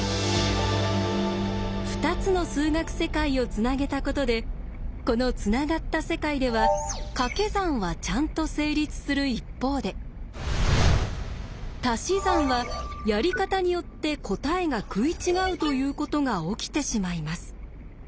２つの数学世界をつなげたことでこのつながった世界ではかけ算はちゃんと成立する一方でたし算はやり方によって答えが食い違うということが起きてしまいます。